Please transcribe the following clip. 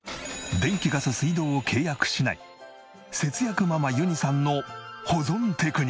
電気ガス水道を契約しない節約ママゆにさんの保存テクニック。